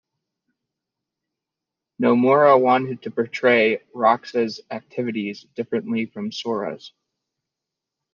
Nomura wanted to portray Roxas' activities differently from Sora's.